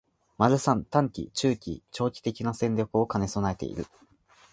③ 短期、中期、長期的な戦略を兼ね備えている